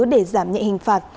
để giảm nhẹ hình phạt